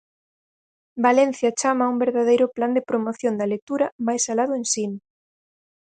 Valencia chama a un verdadeiro plan de promoción da lectura máis alá do ensino.